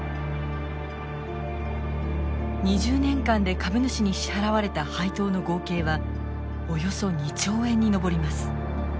２０年間で株主に支払われた配当の合計はおよそ２兆円に上ります。